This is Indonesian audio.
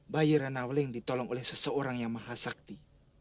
bayi rana waling ditolong oleh seseorang yang mahasakti